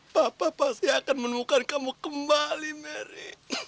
papa pasti akan menemukan kamu kembali mary